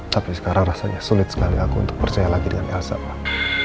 tapi sekarang rasanya sulit sekali aku untuk percaya lagi dengan elsa pak